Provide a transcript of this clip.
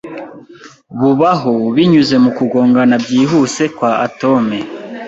bubaho binyuze mu kugongana byihuse kwa atome